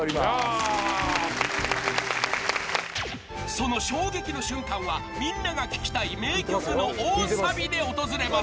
［その衝撃の瞬間はみんなが聞きたい名曲の大サビで訪れます］